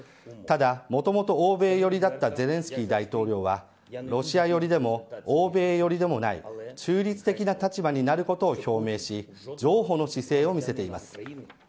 ただ、もともと欧米寄りだったゼレンスキー大統領はロシア寄りでも欧米寄りでもない中立的な立場になることを表明し譲歩の姿勢を見せています。